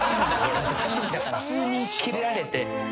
普通にキレられて。